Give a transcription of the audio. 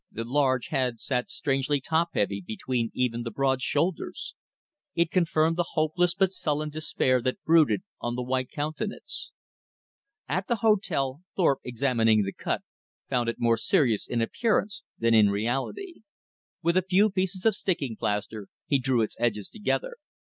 The large head sat strangely top heavy between even the broad shoulders. It confirmed the hopeless but sullen despair that brooded on the white countenance. At the hotel Thorpe, examining the cut, found it more serious in appearance than in reality. With a few pieces of sticking plaster he drew its edges together.